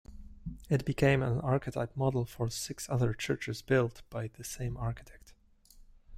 It became an archetype model for six other churches built by the same architect.